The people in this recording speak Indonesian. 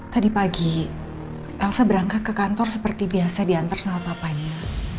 tadi pagi elsa berangkat ke kantor seperti biasa diantar sama papanya